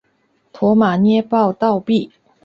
驼马捏报倒毙。